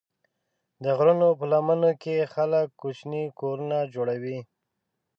د غرونو په لمنو کې خلک کوچني کورونه جوړوي.